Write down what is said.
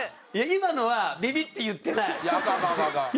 今のはビビって言ってない！